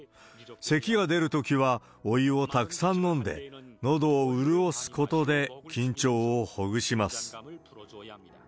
せきが出るときはお湯をたくさん飲んで、のどを潤すことで緊張をほぐします。